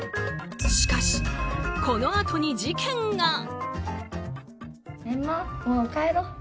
しかし、このあとに事件が。